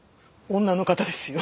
女の方ですよ。